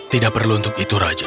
tidak perlu untuk itu raja